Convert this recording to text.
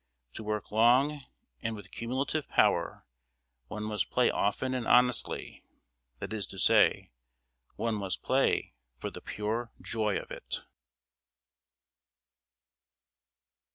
To work long and with cumulative power, one must play often and honestly; that is to say, one must play for the pure joy of it.